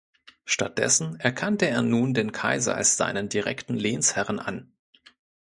Stattdessen erkannte er nun den Kaiser als seinen direkten Lehnsherren an.